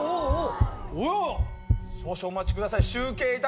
少々お待ちください